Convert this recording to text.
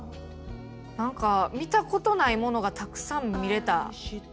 何か見たことないものがたくさん見れた。